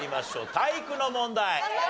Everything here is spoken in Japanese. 体育の問題。